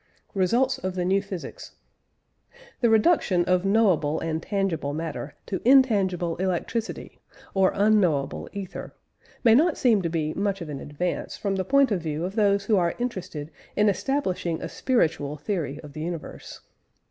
RESULTS OF THE NEW PHYSICS. The reduction of knowable and tangible matter to intangible electricity or unknowable ether may not seem to be much of an advance from the point of view of those who are interested in establishing a spiritual theory of the universe.